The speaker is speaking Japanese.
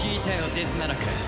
デズナラク。